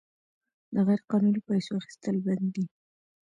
د غیرقانوني پیسو اخیستل بند دي؟